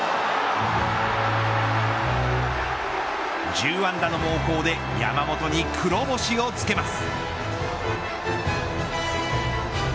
１０安打の猛攻で山本に黒星をつけます。